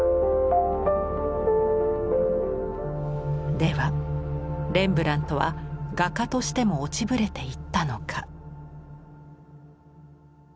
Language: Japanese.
ではレンブラントは画家としても落ちぶれていったのか？